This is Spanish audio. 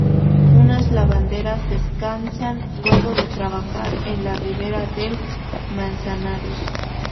Unas lavanderas descansan luego de trabajar en la ribera del Manzanares.